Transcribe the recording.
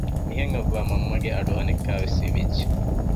މިހެން އޮއްވާ މަންމަގެ އަޑު އަނެއްކާވެސް އިވިއްޖެ